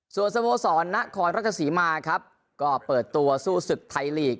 ส่วนสโมสรนครราชสีมาครับก็เปิดตัวสู้ศึกไทยลีก